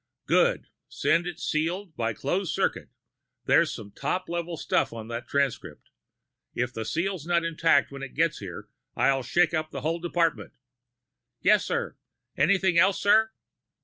"Good. Send it sealed, by closed circuit. There's some top level stuff on that transcript. If the seal's not intact when it gets here, I'll shake up the whole department." "Yes, sir. Anything else, sir?"